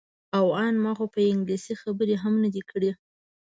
او ان ما خو په انګلیسي خبرې هم نه دي کړې.